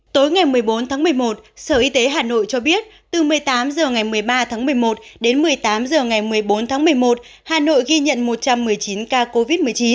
tối ngày một mươi bốn tháng một mươi một sở y tế hà nội cho biết từ một mươi tám h ngày một mươi ba tháng một mươi một đến một mươi tám h ngày một mươi bốn tháng một mươi một hà nội ghi nhận một trăm một mươi chín ca covid một mươi chín